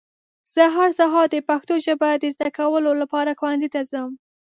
زه هر سهار د پښتو ژبه د ذده کولو لپاره ښونځي ته ځم.